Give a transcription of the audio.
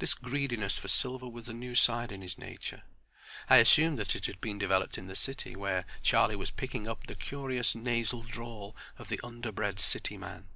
This greediness for silver was a new side in his nature. I assumed that it had been developed in the City, where Charlie was picking up the curious nasal drawl of the underbred City man.